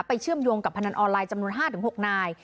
เชื่อมโยงกับพนันออนไลน์จำนวน๕๖นาย